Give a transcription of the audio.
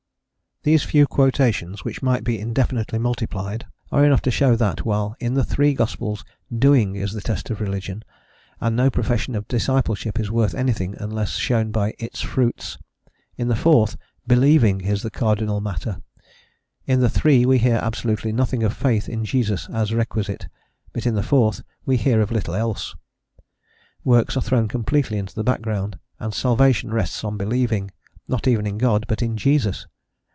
These few quotations, which might be indefinitely multiplied, are enough to show that, while in the three gospels doing is the test of religion, and no profession of discipleship is worth anything unless shown by "its fruits," in the fourth believing is the cardinal matter: in the three we hear absolutely nothing of faith in Jesus as requisite, but in the fourth we hear of little else: works are thrown completely into the background and salvation rests on believing not even in God but in Jesus.